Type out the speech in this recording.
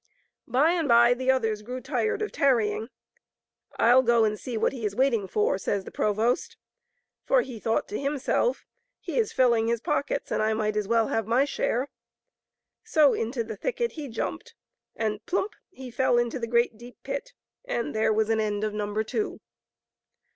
By and by the others grew tired of tarrying. "I'll go and see what he is waiting for," says the provost. For he thought to himself, " He is filling his pockets, and I might as well have my share." So, into the thicket he jumped, and — plump! — he fell into the great, deep pit; and there was an end of number two.